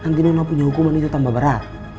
nanti nona punya hukuman itu tambah berat